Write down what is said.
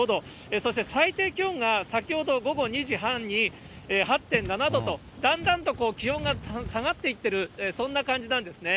そして最低気温が先ほど午後２時半に８．７度と、だんだんと気温が下がっていってる、そんな感じなんですね。